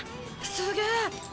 すげえ！